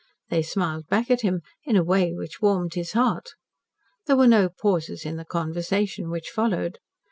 They smiled back at him in a way which warmed his heart. There were no pauses in the conversation which followed.